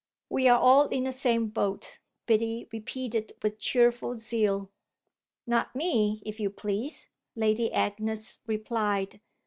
"We're all in the same boat," Biddy repeated with cheerful zeal. "Not me, if you please!" Lady Agnes replied.